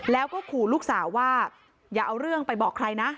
แล้วก็ขู่ลูกสาวว่าอย่าเอาเรื่องไปบอกใครนะ